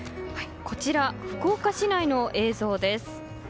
こちら福岡市内の映像です。